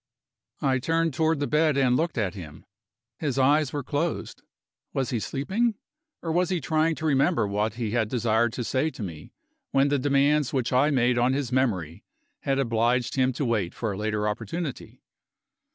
I turned toward the bed and looked at him. His eyes were closed. Was he sleeping? Or was he trying to remember what he had desired to say to me, when the demands which I made on his memory had obliged him to wait for a later opportunity?